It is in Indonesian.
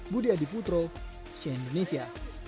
budi adiputro sien indonesia